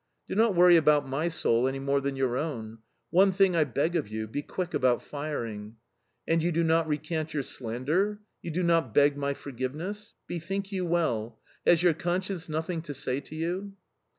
"Do not worry about my soul any more than your own. One thing I beg of you: be quick about firing." "And you do not recant your slander? You do not beg my forgiveness?... Bethink you well: has your conscience nothing to say to you?"